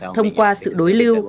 thông qua sự đối lưu